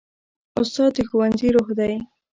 استاد د ښوونځي روح دی.